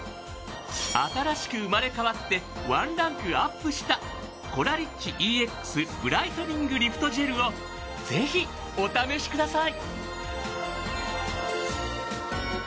新しく生まれ変わってワンランクＵＰしたコラリッチＥＸブライトニングリフトジェルをぜひお試しください。